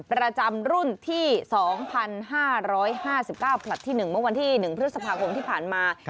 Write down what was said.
ประจำรุ่นที่๒๕๕๙ผลัดที่๑เมื่อวันที่๑พฤษภาคมที่ผ่านมา